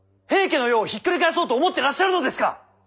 平家の世をひっくり返そうと思ってらっしゃるのですか！？